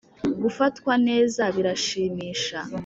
gufatwa neza birashimisha